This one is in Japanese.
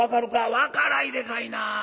「わからいでかいな。